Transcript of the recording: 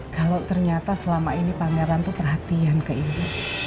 kalau ternyata selama ini pangeran tuh perhatian ke ibu